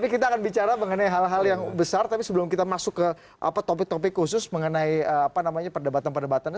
ini kita akan bicara mengenai hal hal yang besar tapi sebelum kita masuk ke topik topik khusus mengenai perdebatan perdebatannya